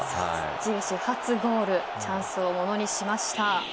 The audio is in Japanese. ジエシュ初ゴールチャンスをものにしました。